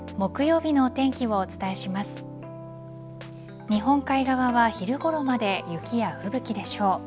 日本海側は昼ごろまで雪や吹雪でしょう。